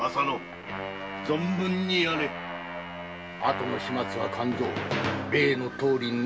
後の始末は勘造例のとおりにな。